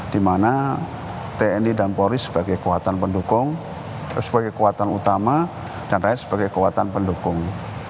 dimana tni dan polri sebagai kekuatan pendukung sebagai kekuatan utama dan rakyat sebagai kekuatan pendukung